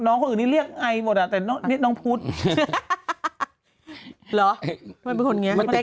น้องคนอื่นนี้เรียกไอ้แต่น้องพุทธ